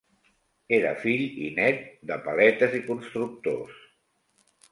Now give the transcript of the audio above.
Era fill i nét de paletes i constructors.